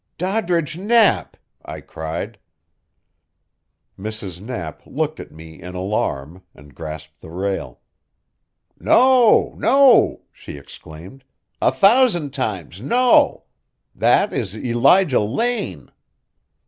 "Doddridge Knapp!" I cried. Mrs. Knapp looked at me in alarm, and grasped the rail. "No! no!" she exclaimed. "A thousand times no! That is Elijah Lane!"